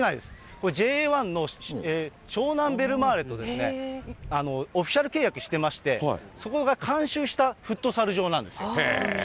これ、Ｊ１の湘南ベルマーレとオフィシャル契約してまして、そこが監修したフットサル場なんですよ。